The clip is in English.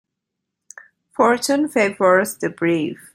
Fortune favours the brave.